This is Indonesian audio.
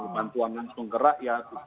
bantuannya untuk gerak ya